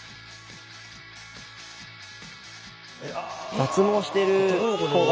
脱毛してる子が。